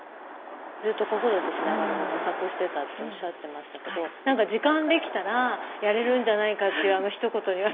ずっと子育てしながらも模索してたっておっしゃってましたけど何か時間できたらやれるんじゃないかっていうあのひと言に私